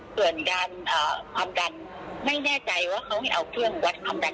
ส่วนการความดันไม่แน่ใจว่าเขาจะเอาเครื่องวัดความดันเข้าไปไหม